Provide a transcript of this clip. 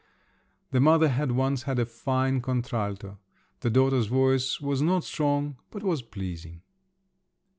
The mother had once had a fine contralto; the daughter's voice was not strong, but was pleasing.